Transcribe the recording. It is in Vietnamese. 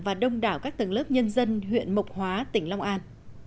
và đông đảo các tầng lớp nhân dân huyện mộc hóa tỉnh long an